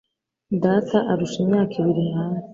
Data arusha imyaka ibiri mama